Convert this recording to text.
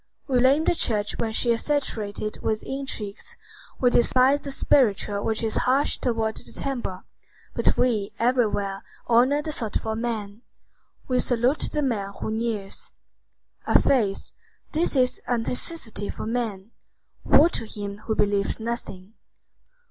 We blame the church when she is saturated with intrigues, we despise the spiritual which is harsh toward the temporal; but we everywhere honor the thoughtful man. We salute the man who kneels. A faith; this is a necessity for man. Woe to him who believes nothing.